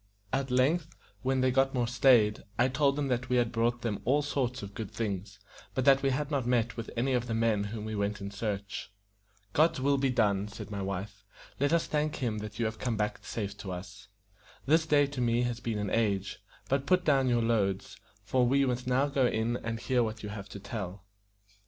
At length, when they got more staid, I told them that we had brought them all sorts of good things, but that we had not met with any of the men of whom we went in search. "God's will be done," said my wife, "let us thank Him that you have come back safe to us. This day to me has been an age; but put down your loads, for we must now go in and hear what you have to tell."